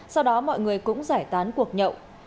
sau đó mọi người cũng giải tán cuộc nhậu